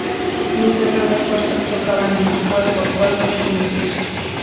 Mientras, ambas fuerzas chocaban en el cuerpo a cuerpo definitivo.